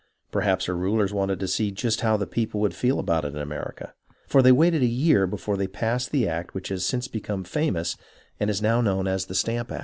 Perhaps her rulers wanted to see just how the people would feel about it in America, for they waited a year before they passed the act which has since become famous and is now known as the Stamp Act.